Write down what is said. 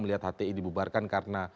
melihat hti dibubarkan karena